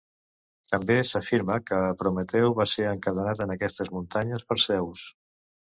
També s'afirma que Prometeu va ser encadenat en aquestes muntanyes per Zeus.